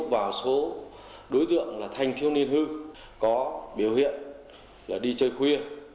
vào số đối tượng là thanh thiếu niên hư có biểu hiện là đi chơi khuya